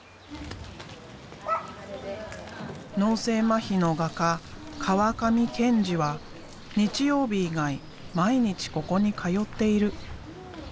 脳性まひの画家川上建次は日曜日以外毎日ここに通っている。